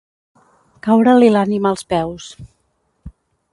Caure-li l'ànima als peus.